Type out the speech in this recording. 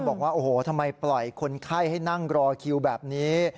บอกว่าโอ้โหทำไมปล่อยคนไข้ให้นั่งรอคิวแบบนี้